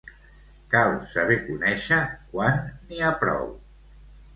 Cal saber conèixer quan n'hi ha prou.